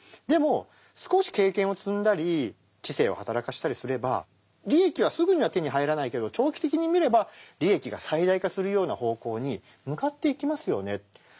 でも少し経験を積んだり知性を働かせたりすれば利益はすぐには手に入らないけれど長期的に見れば利益が最大化するような方向に向かっていきますよねと。